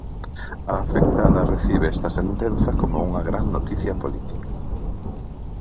A afectada recibe esta sentenza como unha gran noticia política.